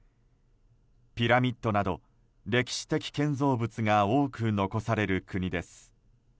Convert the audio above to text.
ピラミッドなど歴史的建造物が多く残される国です。